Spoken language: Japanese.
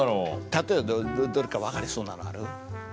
例えばどれか分かりそうなのある？